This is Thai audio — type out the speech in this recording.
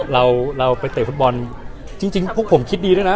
เราเราไปเตะฟุตบอลจริงพวกผมคิดดีด้วยนะ